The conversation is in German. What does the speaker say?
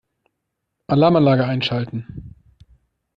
Alarmanlage einschalten.